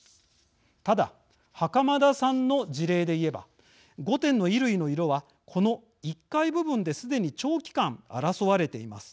ただ、袴田さんの事例で言えば５点の衣類の色はこの１階部分ですでに、長期間争われています。